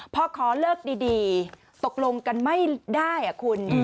พอขอเลิกดีตกลงกันไม่ได้คุณ